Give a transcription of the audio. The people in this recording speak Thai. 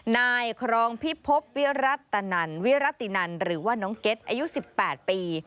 นายครองพิพบวิรัตนันวิรัตินันหรือว่าน้องเก็ตอายุ๑๘ปี